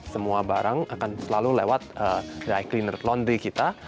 semua barang akan selalu lewat dry cleaner laundry kita